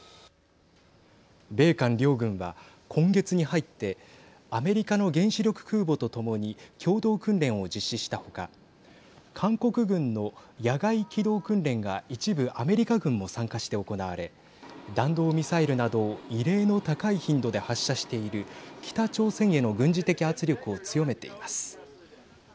米韓両軍は今月に入ってアメリカの原子力空母とともに共同訓練を実施した他韓国軍の野外機動訓練が一部アメリカ軍も参加して行われ弾道ミサイルなどを異例の高い頻度で発射している北朝鮮への軍事的圧力を強めています。